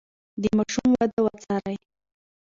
د ماشوم وده وڅارئ.